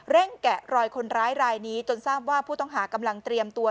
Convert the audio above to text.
แกะรอยคนร้ายรายนี้จนทราบว่าผู้ต้องหากำลังเตรียมตัว